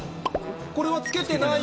これはつけてない？